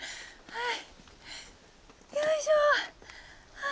はい。